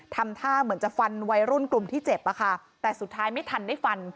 ทำท่าเหมือนจะฟันวัยรุ่นกลุ่มที่เจ็บอะค่ะแต่สุดท้ายไม่ทันได้ฟัน